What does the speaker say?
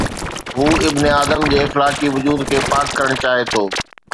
هو ابن آدم جي اخلاقي وجود کي پاڪ ڪرڻ چاهي ٿو.